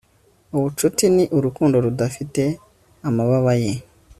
ubucuti ni urukundo rudafite amababa ye